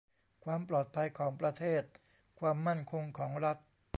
ความปลอดภัยของประเทศ ความมั่นคงของรัฐ